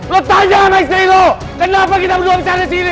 lo tanya sama istri lo kenapa kita berdua bisa ada di sini